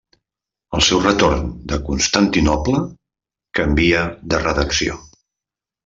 Al seu retorn de Constantinoble, canvia de redacció.